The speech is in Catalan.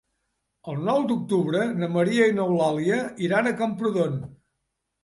El nou d'octubre na Maria i n'Eulàlia iran a Camprodon.